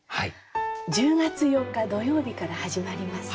１０月８日土曜日から始まります